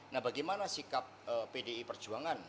nah bagaimana sikap pdi perjuangan